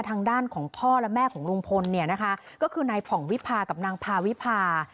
ทางด้านของพ่อและแม่ของลุงพลเนี่ยนะคะก็คือนายผ่องวิพากับนางพาวิพา